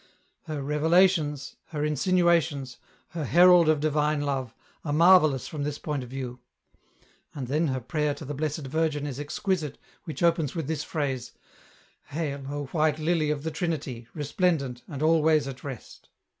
" Her ' Revelations,' her ' Insinuations,' her ' Herald of Divine Love,' are marvellous from this point of view ; and then her prayer to the Blessed Virgin is exquisite which EN ROUTE. 295 opens with this phrase :' Hail, O white lily of the Trinity, resplendent, and always at rest.